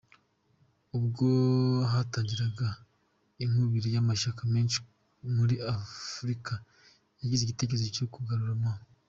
Ubwo hatangiraga inkubiri y’amashyaka menshi muri Afurika yagize igitekerezo cyo kugarura M.